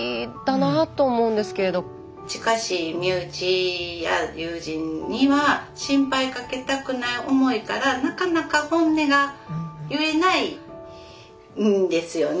近しい身内や友人には心配かけたくない思いからなかなか本音が言えないんですよね。